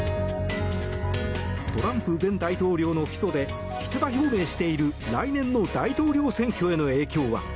トランプ前大統領の起訴で出馬表明している来年の大統領選挙への影響は。